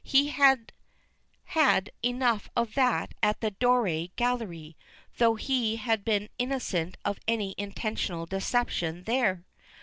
He had had enough of that at the Doré Gallery; though he had been innocent of any intentional deception there.